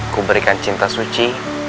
ku berikan cinta suci